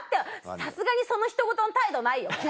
さすがにそのひとごとの態度ないよ。